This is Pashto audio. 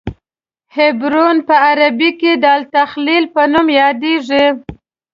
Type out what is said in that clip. حبرون په عربي کې د الخلیل په نوم یادیږي.